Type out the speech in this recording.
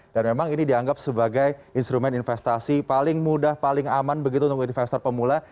dan memang ini dianggap sebagai instrumen investasi paling mudah paling aman begitu untuk investor pemula